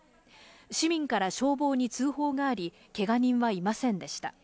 市民から消防に通報があり、けが人はいませんでした。